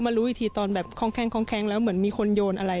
รู้อีกทีตอนแบบคล่องแล้วเหมือนมีคนโยนอะไร